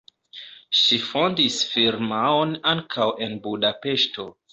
Ŝi fondis firmaon ankaŭ en Budapeŝto.